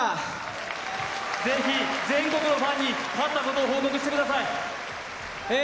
全国のファンに勝ったことを報告してください。